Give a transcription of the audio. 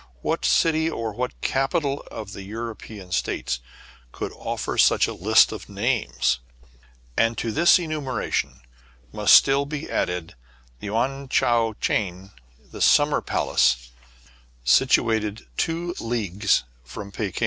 What city, or what capital of the European States, could offer such a list of names ? And to this enumeration must still be added the Ouane Cheou Chane, the Summer Palace, situated 154 TRIBULATIONS OF A CHINAMAN, two leagues from Pekin.